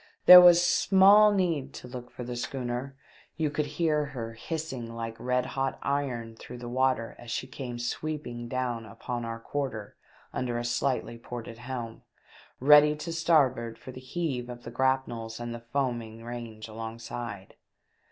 There was small need to look for the schooner ; you could hear her hissing like red hot iron through the water as she came sweeping down upon our quarter under a slightly ported helm, ready to starboard for the heave of the grapnels and the foaming range alongside.